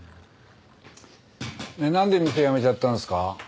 なんで店やめちゃったんですか？